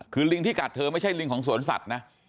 คือลิงที่กัดเธอไม่ใช่ลิงของสวนสัตว์นะ